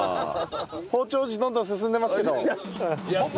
包丁王子どんどん進んでますけど。